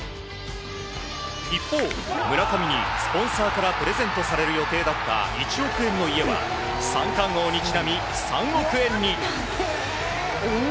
一方、村上にスポンサーからプレゼントされる予定だった１億円の家は、三冠王にちなみ３億円に。